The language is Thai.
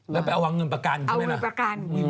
แล้วไปเอาเงินประกัน